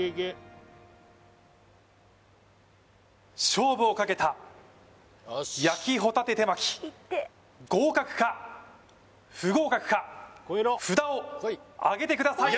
勝負をかけた焼きほたて手巻き合格か不合格か札をあげてください